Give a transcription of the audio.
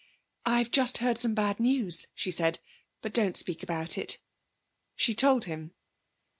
'I've just heard some bad news,' she said, 'but don't speak about it.' She told him.